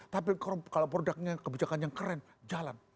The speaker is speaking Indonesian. tapi kalau produknya kebijakan yang keren jalan